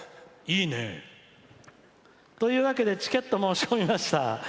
いいね！というわけでチケットを申し込みました。